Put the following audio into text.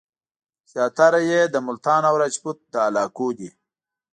زیاتره یې د ملتان او راجپوت له علاقو دي.